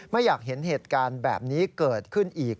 ไม่อยากเห็นเหตุการณ์แบบนี้เกิดขึ้นอีก